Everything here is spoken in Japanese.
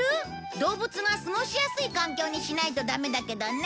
動物が過ごしやすい環境にしないとダメだけどね